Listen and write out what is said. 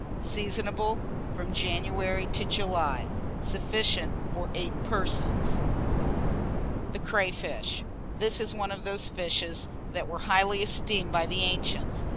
Seasonable from January to July. Sufficient for 8 persons. [Illustration: CRAYFISH.] THE CRAYFISH. This is one of those fishes that were highly esteemed by the ancients.